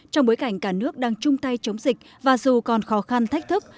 trong bối cảnh cả nước đang chung tay chống dịch và dù còn khó khăn thách thức